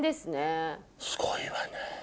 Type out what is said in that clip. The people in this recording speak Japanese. すごいわね。